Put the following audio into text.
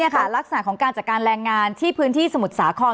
คือตอนนี้รักษณะของการจัดการแรงงานประโยชน์ที่สมุดสาคน